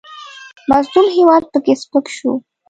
مظلوم هېواد پکې سپک شو.